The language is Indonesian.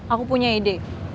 aku punya ide